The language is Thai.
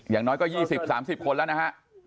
อย่างน้อยก็ยี่สิบสามสิบคนแล้วนะฮะ